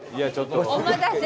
お待たせ。